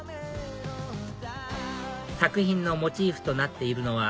作品のモチーフとなっているのは